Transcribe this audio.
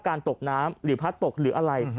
ตกน้ำหรือพัดตกหรืออะไร